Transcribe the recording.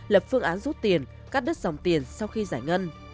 lập phương án rút tiền cắt đứt dòng tiền sau khi giải ngân